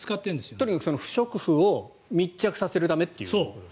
とにかく不織布を密着させるためと。